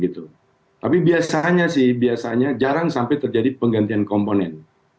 tapi biasanya sih biasanya jarang sampai terjadi penggantian komponen